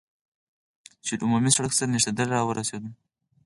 چې له عمومي سړک سره نښلېدل را ورسېدو.